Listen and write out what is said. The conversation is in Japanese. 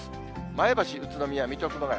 前橋、宇都宮、水戸、熊谷。